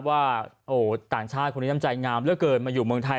ว่าโอ้ห์ต่างชาติคนที่น้ำใจงามเยอะเกินมาอยู่เมืองไทย